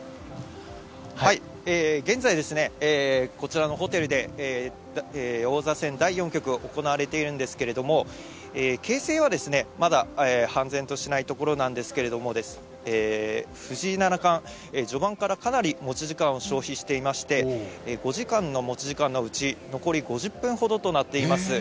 現在、こちらのホテルで王座戦第４局が行われているんですけれども、形勢はまだ判然としないところなんですけれども、藤井七冠、序盤からかなり持ち時間を消費していまして、５時間の持ち時間のうち、残り５０分ほどとなっています。